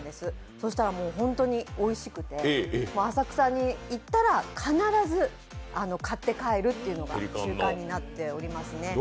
そうしたら、本当においくして、浅草に行ったら必ず買って帰るというのが習慣になっておりますね。